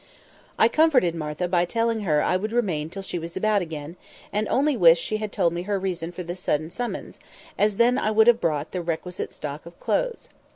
I comforted Martha by telling her I would remain till she was about again, and only wished she had told me her reason for this sudden summons, as then I would have brought the requisite stock of clothes.